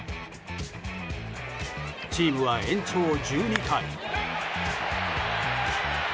チームは延長１２回。